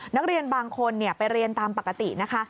นักเรียนบางคนไปเรียนตามปกตินะคะ